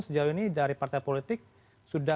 sejauh ini dari partai politik sudah